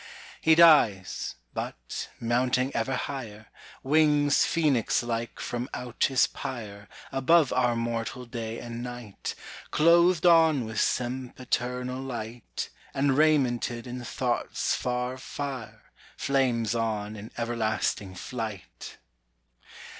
He dies: but, mounting ever higher, Wings Phoenix like from out his pyre Above our mortal day and night, Clothed on with sempiternal light; And raimented in thought's far fire Flames on in everlasting flight.